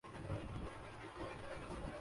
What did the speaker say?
جانے کس پر ہو مہرباں قاتل